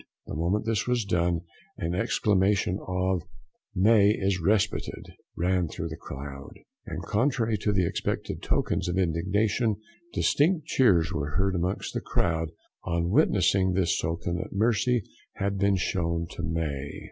The moment this was done an exclamation of "May is respited," ran through the crowd, and, contrary to the expected tokens of indignation, distinct cheers were heard amongst the crowd on witnessing this token that mercy had been shown to May.